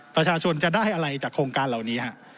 ประชาชนจะได้อะไรจากโครงการเหล่านี้ฮะ